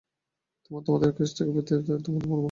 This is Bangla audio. তোমরা তোমাদের বসকে কেসটা দেবে, সে তোমাদের মারবে না।